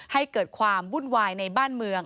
ให้เกิดความวุ่นวายในบ้านเมือง